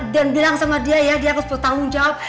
dan bilang sama dia dia harus bertanggung jawab